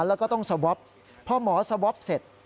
แล้วก็ต้องสวอปพอหมอสวอปเสร็จ